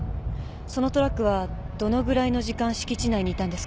そのトラックはどのぐらいの時間敷地内にいたんですか？